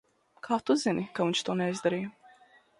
Kā tu zini, ka viņš to neizdarīja?